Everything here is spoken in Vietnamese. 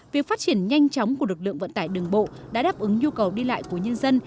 việc phát triển nhanh chóng của lực lượng vận tải đường bộ đã đáp ứng nhu cầu đi lại của nhân dân